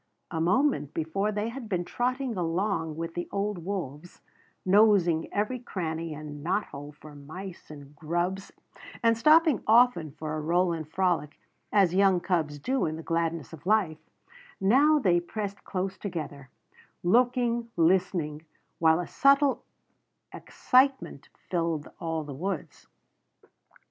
A moment before they had been trotting along with the old wolves, nosing every cranny and knot hole for mice and grubs, and stopping often for a roll and frolic, as young cubs do in the gladness of life; now they pressed close together, looking, listening, while a subtle excitement filled all the woods.